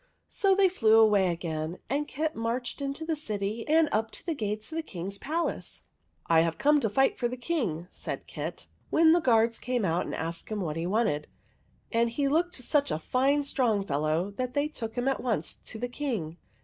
So they flew away again; and Kit marched into the city and up to the gates of the King's palace. '' I have come to fight for the King," said Kit, when the guards came out and asked him what he wanted. And he looked such a fine strong fellow, that they took him at once to the King.